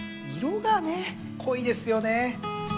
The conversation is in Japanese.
色がね濃いですよね。